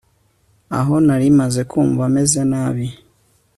Aho nari maze kumva meze nabi